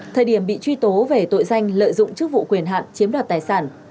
thời điểm bị truy tố về tội danh lợi dụng chức vụ quyền hạn chiếm đoạt tài sản